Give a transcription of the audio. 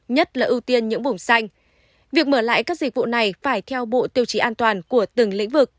nhất là ưu tiên những vùng xanh việc mở lại các dịch vụ này phải theo bộ tiêu chí an toàn của từng lĩnh vực